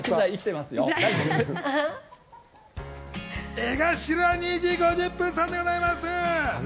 江頭２：５０さんでございます。